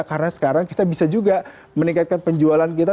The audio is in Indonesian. karena sekarang kita bisa juga meningkatkan penjualan kita